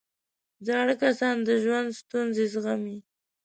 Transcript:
زاړه کسان د ژوند ستونزې زغمي